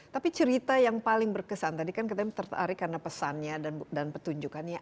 tapi cerita yang paling berkesan tadi kan kita tertarik karena pesannya dan petunjukannya